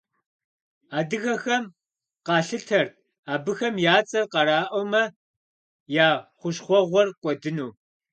Адыгэхэм къалъытэрт абыхэм я цӏэр къраӏуэмэ, я хущхъуэгъуэр кӏуэдыну.